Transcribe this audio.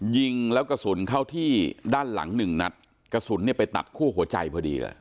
ยิงแล้วกระสุนเข้าที่ด้านหลังหนึ่งนัดกระสุนเนี่ยไปตัดคู่หัวใจพอดีเลย